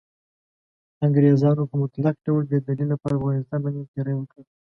انګریزانو په مطلق ډول بې دلیله پر افغانستان باندې تیری وکړ.